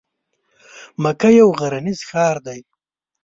مکه یو غرنیز ښار دی.